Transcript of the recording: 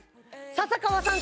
笹川さん